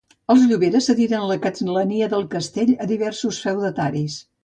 Els Llobera cediren la castlania del castell a diversos feudataris.